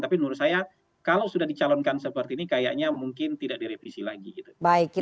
tapi menurut saya kalau sudah dicalonkan seperti ini kayaknya mungkin tidak direvisi lagi gitu